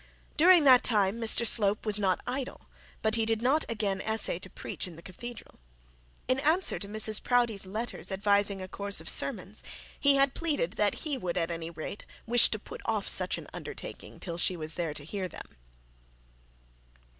During that time Mr Slope was not idle, but he did not again assay to preach in the cathedral. In answer to Mrs Proudie's letters, advising a course of sermons, he had pleaded that he would at any rate wish to put off such an undertaking till she was there to hear them.